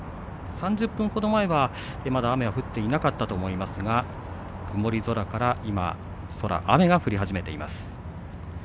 ３０分ほど前はまだ雨は降っていなかったと思いますが曇り空から今、空雨が降り始めています。